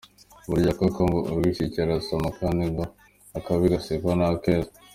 Burya koko ngo urwishigishiye ararusoma, kandi ngo akabi gasekwa nk’akeza.